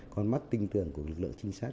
con mắt tinh tường của lực lượng trinh sát